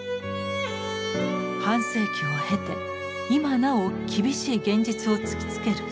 半世紀を経て今なお厳しい現実を突きつける社会問題。